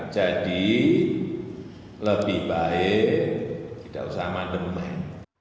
jadi lebih baik tidak usah amandemen